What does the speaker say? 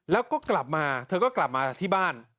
แล้วก็กลับมาเธอก็กลับมาที่บ้าน